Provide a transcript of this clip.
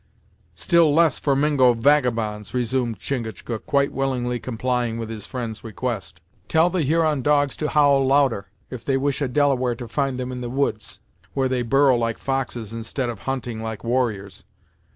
"Still less for Mingo vagabonds," resumed Chingachgook, quite willingly complying with his friend's request. "Tell the Huron dogs to howl louder, if they wish a Delaware to find them in the woods, where they burrow like foxes, instead of hunting like warriors.